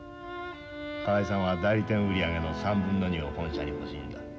河合さんは代理店売り上げの３分の２を本社に欲しいんだ。